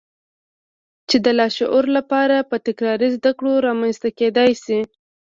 چې د لاشعور لپاره په تکراري زدهکړو رامنځته کېدای شي.